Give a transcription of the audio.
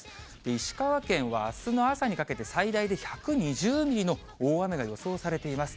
石川県はあすの朝にかけて最大で１２０ミリの大雨が予想されています。